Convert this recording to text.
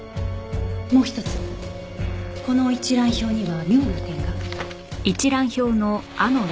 もう一つこの一覧表には妙な点が。